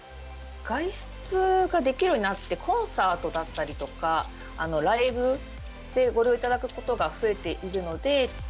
外出ができるようになって、コンサートだったりとか、ライブでご利用いただくことが増えているので。